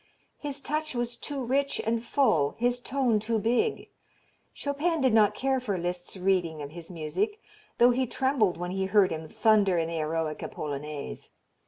His touch was too rich and full, his tone too big. Chopin did not care for Liszt's reading of his music, though he trembled when he heard him thunder in the Eroica Polonaise.